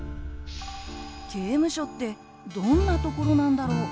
刑務所ってどんなところなんだろう？